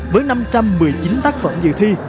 với năm trăm một mươi chín tác phẩm dự thi